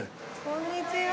こんにちは。